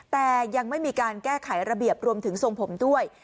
แต่ยังไม่มีการแก้ไขระเบียบรวมถึงทรงผมด้วย